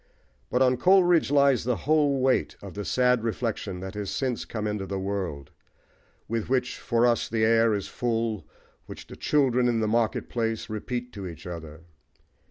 But on Coleridge lies the whole weight of the sad reflection that has since come into the world, with which for us the air is full, which the "children in the market place" repeat to each other.